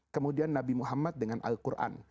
kemudian nabi muhammad dengan al quran